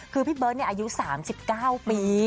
คือพี่เบิร์ตอายุ๓๙ปี